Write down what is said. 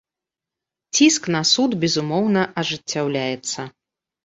Ціск на суд, безумоўна, ажыццяўляецца.